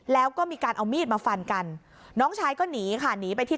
แล้วก็มีการเอามีดมาฟันกันน้องชายก็หนีค่ะหนีไปที่